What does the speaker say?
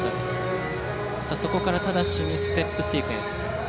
そこから直ちにステップシークエンス。